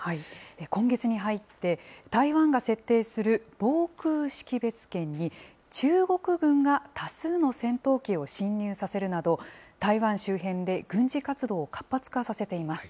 今月に入って、台湾が設定する防空識別圏に中国軍が多数の戦闘機を進入させるなど、台湾周辺で軍事活動を活発化させています。